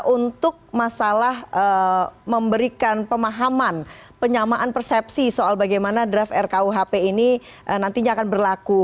untuk masalah memberikan pemahaman penyamaan persepsi soal bagaimana draft rkuhp ini nantinya akan berlaku